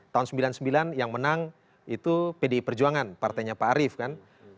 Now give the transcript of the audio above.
tahun sembilan puluh sembilan yang menang itu pdi perjuangan partainya pak arief kan